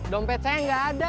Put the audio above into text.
dompet saya nggak ada